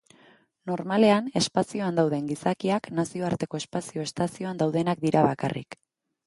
Normalean, espazioan dauden gizakiak Nazioarteko Espazio Estazioan daudenak dira bakarrik.